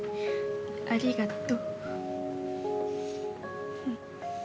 ありがと！